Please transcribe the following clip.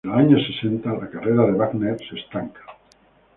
En los años sesenta la carrera de Wagner se estanca.